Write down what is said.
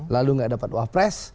lalu nggak dapat wafres